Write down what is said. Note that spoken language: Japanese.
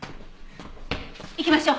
行きましょう。